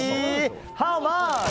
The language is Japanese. ハウマッチ。